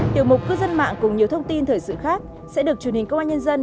tiểu mục cư dân mạng cùng nhiều thông tin thời sự khác sẽ được truyền hình công an nhân dân